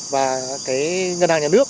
và cái ngân hàng nhà nước